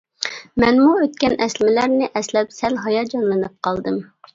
مەنمۇ ئۆتكەن ئەسلىمىلەرنى ئەسلەپ سەل ھاياجانلىنىپ قالدىم.